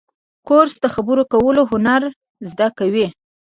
کورس د خبرو کولو هنر زده کوي.